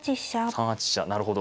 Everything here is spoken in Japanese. ３八飛車なるほど。